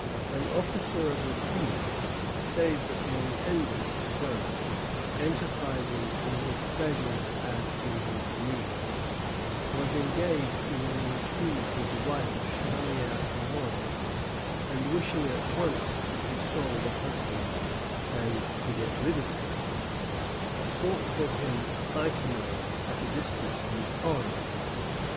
An officer of repute says that the Intendant, Bigot, enterprising in his pleasures as in his greed, was engaged in an intrigue with the wife of Chevalier Péan; and wishing at once to console the husband and to get rid of him, sought for him a high command at a distance from the colony.